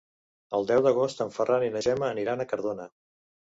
El deu d'agost en Ferran i na Gemma aniran a Cardona.